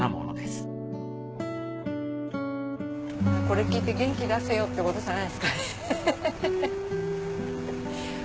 まあこれ聴いて元気だせよってことじゃないですかね。